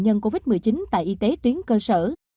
nhân covid một mươi chín tại y tế tuyến cơ sở